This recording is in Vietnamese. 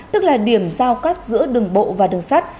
tức là điểm giao cắt giữa đường bộ và đường sắt